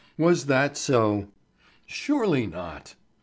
Was that so? Surely not!